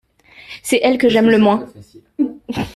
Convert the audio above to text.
C’est elle que j’aime le moins.